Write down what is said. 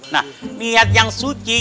nah niat yang suci